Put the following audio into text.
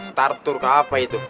starter ke apa itu